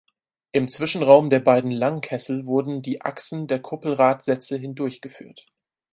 Im Zwischenraum der beiden Langkessel wurden die Achsen der Kuppelradsätze hindurchgeführt.